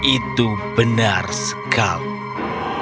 itu benar sekali